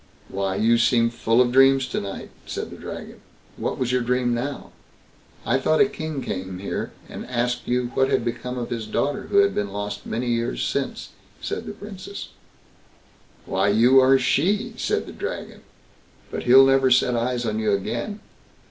"Why, you seem full of dreams to night", said the Dragon what was your dream now?" "I thought a king came here, and asked you what had become of his daughter who had been lost many years since", said the Princess. "Why, you are she", said the Dragon; "but he'll never set eyes on you again.